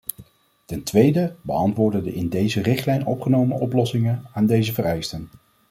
Ten tweede beantwoorden de in deze richtlijn opgenomen oplossingen aan deze vereisten.